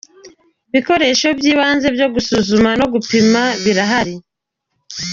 , ibikoresho by’ibanze byo gusuzuma no gupima birahari.